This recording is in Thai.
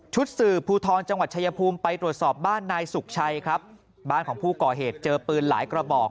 สื่อภูทรจังหวัดชายภูมิไปตรวจสอบบ้านนายสุขชัยครับบ้านของผู้ก่อเหตุเจอปืนหลายกระบอก